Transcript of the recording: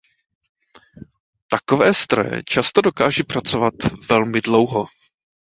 Takové stroje často dokáží pracovat velmi dlouho.